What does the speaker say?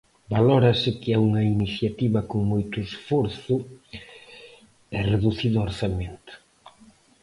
Valórase que é unha iniciativa con moito esforzo e reducido orzamento.